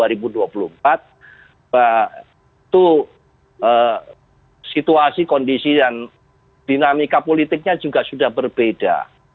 itu situasi kondisian dinamika politiknya juga sudah berbeda